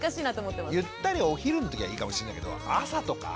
ゆったりお昼のときはいいかもしれないけど朝とか。